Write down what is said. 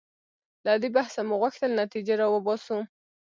له دې بحثه مو غوښتل نتیجه راوباسو.